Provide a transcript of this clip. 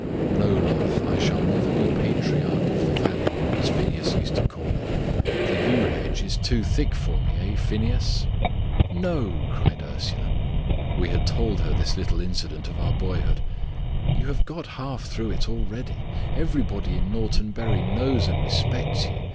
"No, love; I shall never be 'patriarch of the valley,' as Phineas used to call it. The yew hedge is too thick for me, eh, Phineas?" "No!" cried Ursula we had told her this little incident of our boyhood "you have got half through it already. Everybody in Norton Bury knows and respects you.